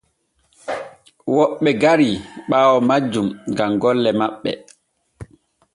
Woɓɓe gari ɓaawo majjum gam golle maɓɓe.